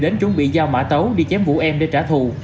đến chuẩn bị giao mã tấu đi chém vụ em để trả thù